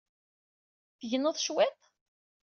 Tegneḍ cwiṭ?